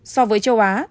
so với châu á